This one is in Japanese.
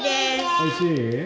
おいしい？